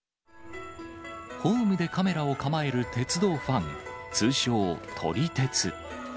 ホームでカメラを構える鉄道ファン、通称、撮り鉄。